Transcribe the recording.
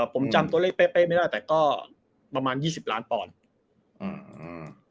ผมจำตัวเลขเป๊ะไม่ได้แต่ก็ประมาณยี่สิบล้านปอนด์อืม